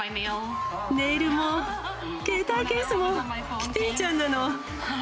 ネイルも携帯ケースも、キティち